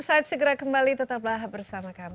insight segera kembali tetaplah bersama kami